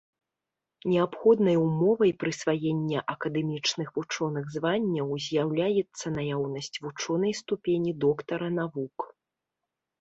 Неабходнай умовай прысваення акадэмічных вучоных званняў з'яўляецца наяўнасць вучонай ступені доктара навук.